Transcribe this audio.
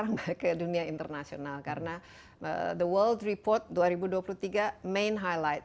bung andres kita sekarang ke dunia internasional karena the world report dua ribu dua puluh tiga main highlight